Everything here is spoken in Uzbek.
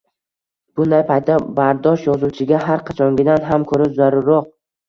Bunday paytda bardosh yozuvchiga har qachongidan ham koʻra zarurroq